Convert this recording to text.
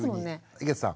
井桁さん。